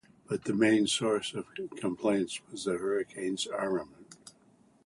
But the main source of complaints was the Hurricane's armament.